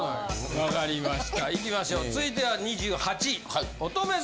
わかりましたいきましょう続いては２８位。